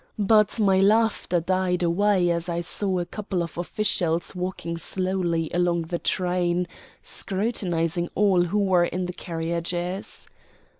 But my laughter died away as I saw a couple of officials walking slowly along the train, scrutinizing closely all who were in the carriages.